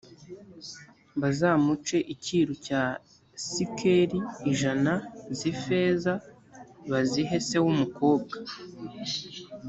bazamuce icyiru cya sikeli ijana z’ifeza bazihe se w’umukobwa,